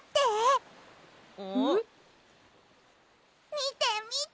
みてみて！